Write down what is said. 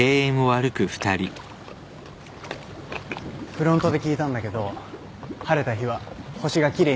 フロントで聞いたんだけど晴れた日は星が奇麗に見えるらしいですよ。